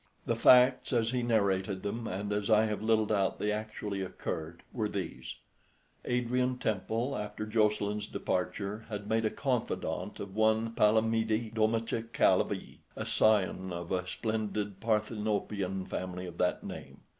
The facts as he narrated them, and as I have little doubt they actually occurred, were these: Adrian Temple, after Jocelyn's departure, had made a confidant of one Palamede Domacavalli, a scion of a splendid Parthenopean family of that name.